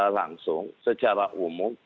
langsung secara umum